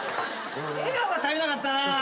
笑顔が足りなかったな。